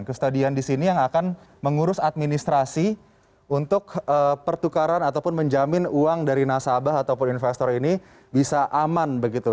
ke stadion di sini yang akan mengurus administrasi untuk pertukaran ataupun menjamin uang dari nasabah ataupun investor ini bisa aman begitu